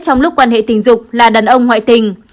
trong lúc quan hệ tình dục là đàn ông ngoại tình